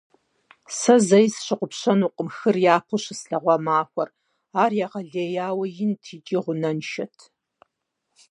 Сэ зэи сщыгъупщэнукъым хыр япэу щыслъэгъуа махуэр: ар егъэлеяуэ инт икӀи гъунэншэт.